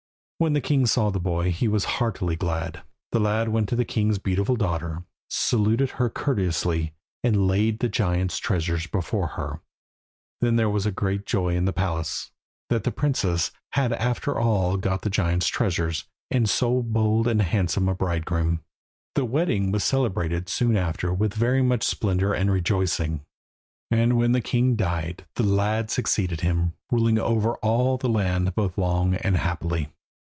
When the king saw the boy he was heartily glad. The lad went to the king's beautiful daughter, saluted her courteously, and laid the giant's treasures before her. Then there was great joy in the palace, that the princess had after all got the giant's treasures and so bold and handsome a bridegroom. The wedding was celebrated soon after with very much splendour and rejoicing; and when the king died the lad succeeded him, ruling over all the land both long and happily.